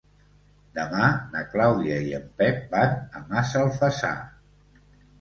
Demà na Clàudia i en Pep van a Massalfassar.